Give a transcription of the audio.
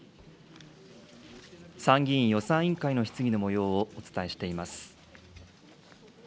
参議院予算委員会の質疑のもようをお伝えしています。